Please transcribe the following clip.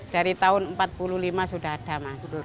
dari tahun seribu sembilan ratus empat puluh lima sudah ada